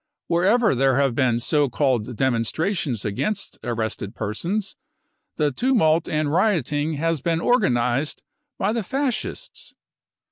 Wherever there have been so called demonstrations against arrested persons, the tumult and rioting has been organised by the Fascists.